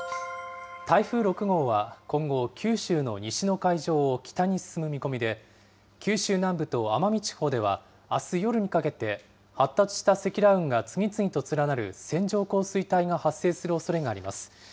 台風６号は今後、九州の西の海上を北に進む見込みで、九州南部と奄美地方ではあす夜にかけて、発達した積乱雲が次々と連なる線状降水帯が発生するおそれがあります。